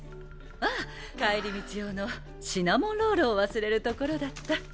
ああ帰り道用のシナモンロールを忘れるところだった。